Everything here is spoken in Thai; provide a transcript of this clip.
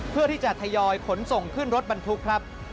เพื่อที่จะทยอยขนส่งขึ้นรถบรรทุกครับ